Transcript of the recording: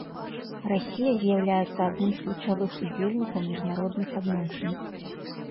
Расія з'яўляецца адным з ключавых удзельнікаў міжнародных адносін.